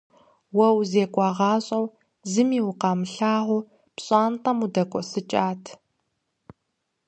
Уэ узекӀуагъащӀэу, зыми укъамылагъуу, пщӀантӀэм удэкӏуэсыкӏат.